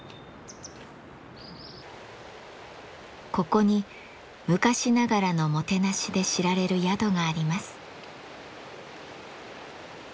ここに昔ながらのもてなしで知られる宿があります。